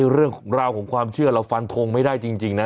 เรื่องราวของความเชื่อเราฟันทงไม่ได้จริงนะ